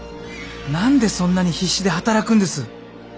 何でそんなに必死で働くんです？